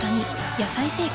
「野菜生活」